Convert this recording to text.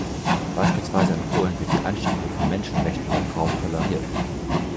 Beispielsweise in Polen wird die Einschränkung von Menschenrechten bei Frauen toleriert.